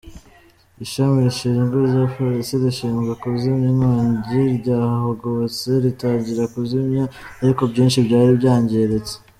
Ishami rishinzwe rya Polisi rishinzwe kuzimya inkongi ryahagobotse ritangira kuzimya, ariko byinshi byari byangiritse.